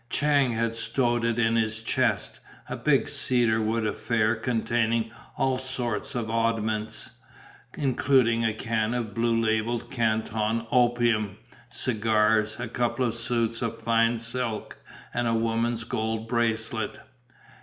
Chang had stowed it in his chest, a big cedar wood affair containing all sorts of oddments, including a can of blue label Canton opium, cigars, a couple of suits of fine silk and a woman's gold bracelet.